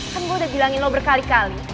kan gue udah bilangin lo berkali kali